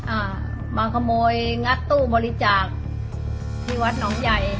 อ่ามาขโมยงัดตู้บริจาคที่วัดหนองใหญ่